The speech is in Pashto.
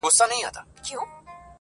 د ښار خلک که زاړه وه که ځوانان وه -